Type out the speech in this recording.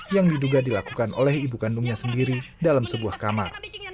yang diduga dilakukan oleh ibu kandungnya sendiri dalam sebuah kamar